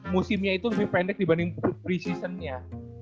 musimnya itu lebih pendek dibanding pre season nya